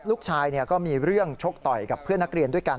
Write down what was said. ก็มีเรื่องชกต่อยกับเพื่อนนักเรียนด้วยกัน